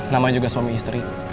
namanya juga suami istri